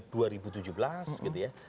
dua ribu tujuh belas gitu ya